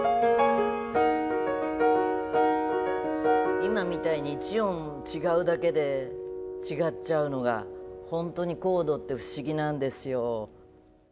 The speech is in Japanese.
今みたいに一音違うだけで違っちゃうのがほんとにコードって不思議なんですよ。